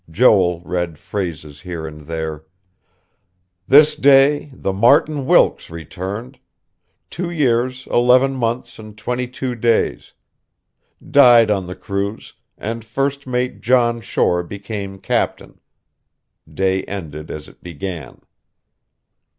Joel read phrases here and there.... "This day the Martin Wilkes returned ... two years, eleven months and twenty two days ... died on the cruise, and first mate John Shore became captain. Day ended as it began."